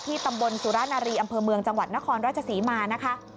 ตำบลสุรนารีอำเภอเมืองจังหวัดนครราชศรีมานะคะ